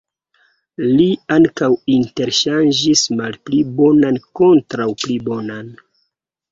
Li ankaŭ interŝanĝis malpli bonan kontraŭ pli bonan.